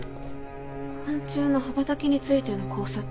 「昆虫の羽ばたきについての考察」？